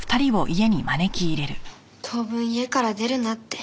当分家から出るなって。